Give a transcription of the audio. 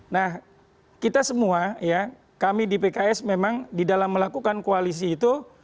nah kita semua ya kami di pks memang di dalam melakukan koalisi itu